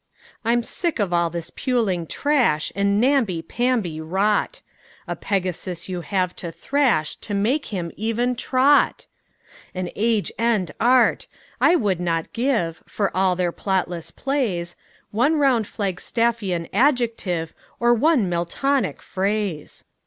I'm sick of all this puling trash And namby pamby rot, A Pegasus you have to thrash To make him even trot! An Age end Art! I would not give, For all their plotless plays, One round Flagstaffian adjective Or one Miltonic phrase.